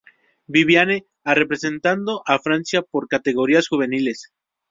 Viviane a representado a Francia por categorías juveniles.